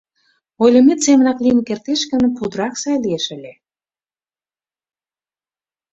Ойлымет семынак лийын кертеш гын, путырак сай лиеш ыле.